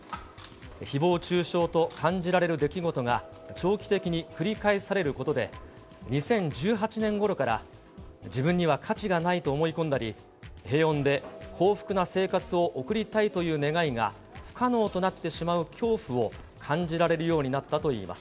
ひぼう中傷と感じられる出来事が長期的に繰り返されることで、２０１８年ごろから、自分には価値がないと思いこんだり、平穏で幸福な生活を送りたいという願いが不可能となってしまう恐怖を感じられるようになったといいます。